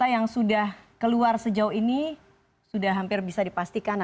yang tersejauh ini sudah hampir bisa dipastikan